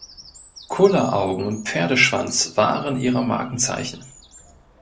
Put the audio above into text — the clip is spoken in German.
Kulleraugen und Pferdeschwanz waren ihre Markenzeichen.